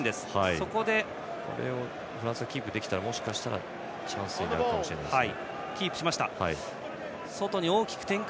それをフランスがキープしたらもしかしたらチャンスになるかもしれないです。